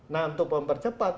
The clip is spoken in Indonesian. nah untuk mempercepat